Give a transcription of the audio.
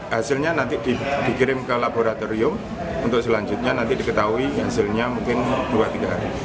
hasilnya nanti dikirim ke laboratorium untuk selanjutnya nanti diketahui hasilnya mungkin dua tiga hari